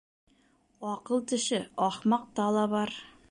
Аҡыл теше ахмаҡта ла бар.